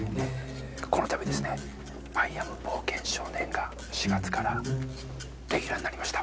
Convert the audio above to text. このたびですね「アイ・アム冒険少年」が４月からレギュラーになりました